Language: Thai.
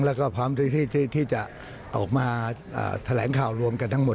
แล้วก็พร้อมที่จะออกมาแถลงข่าวรวมกันทั้งหมด